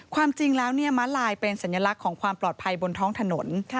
ความจริงแล้วม้าลายเป็นสัญลักษณ์ของความปลอดภัยบนท้องถนน